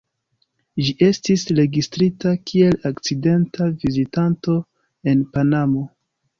Ĝi estis registrita kiel akcidenta vizitanto en Panamo.